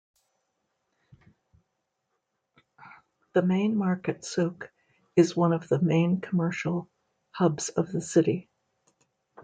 The main market "soukh" is one of the main commercial hubs of the city.